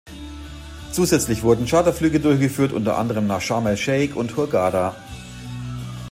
Zusätzlich wurden Charterflüge durchgeführt, unter anderem nach Scharm El-Scheich und Hurghada.